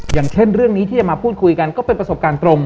อย่างเช่นเรื่องนี้ที่จะมาพูดคุยกันก็เป็นประสบการณ์ตรง